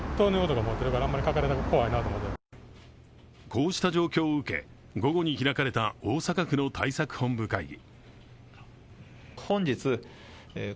こうした状況を受け、午後に開かれた大阪府の対策本部会議。